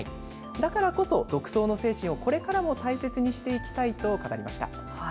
だからこそ独創の精神をこれからも大切にしていきたいと語りました。